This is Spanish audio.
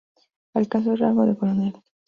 Alcanzó el rango de coronel.